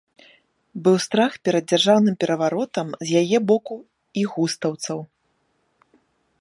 Быў страх перад дзяржаўным пераваротам з яе боку і густаўцаў.